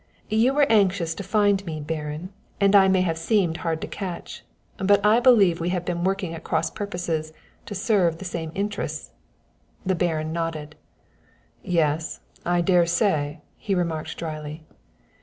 "You were anxious to find me, Baron, and I may have seemed hard to catch, but I believe we have been working at cross purposes to serve the same interests." The Baron nodded. "Yes, I dare say," he remarked dryly.